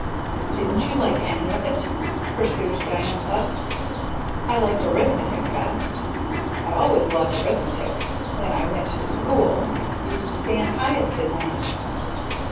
"Didn't you like any of it?" pursued Diantha. "I liked arithmetic best. I always loved arithmetic, when I went to school used to stand highest in that."